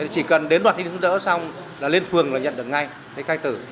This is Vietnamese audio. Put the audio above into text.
chỉ cần đến đoàn thanh niên giúp đỡ xong là lên phường là nhận được ngay để khai tử